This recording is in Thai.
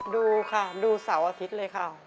ดูค่ะดูเสาร์อาทิตย์เลยค่ะ